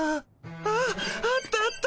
あっあったあった。